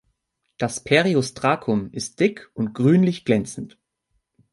Das Periostracum ist dick und grünlich glänzend.